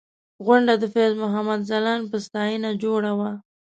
غونډه د فیض محمد ځلاند په ستاینه جوړه وه.